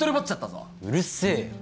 うるせえよ。